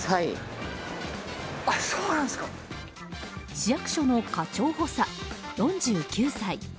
市役所の課長補佐、４９歳。